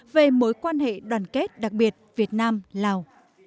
về mối quan hệ đoàn kết đặc biệt việt nam lào